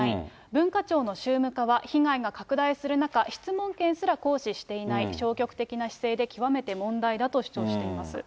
文化庁の宗務課は被害が拡大する中、質問権すら行使していない、消極的な姿勢で極めて問題だと主張しています。